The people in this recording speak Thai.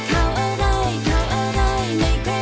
สามารถรับชมได้ทุกวัย